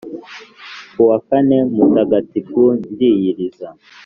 Kuwa kane mutagatifu ndiyiriza